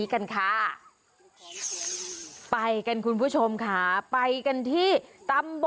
เฮ้ยคิดออกศูนย์ใช่ไหม